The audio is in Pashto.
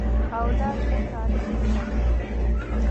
اولاد مو صالح کړئ.